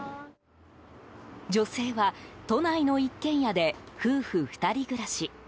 女性は、都内の一軒家で夫婦２人暮らし。